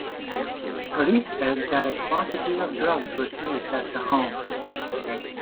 Police said that a quantity of drugs were seized at the home.